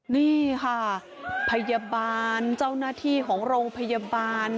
นี่ค่ะพยาบาลเจ้าหน้าที่ของโรงพยาบาล